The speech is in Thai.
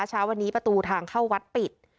เช้าวันนี้ประตูทางเข้าวัดปิด